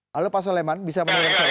halo pak suleman bisa menerima saya